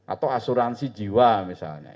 atau asuransi jiwa misalnya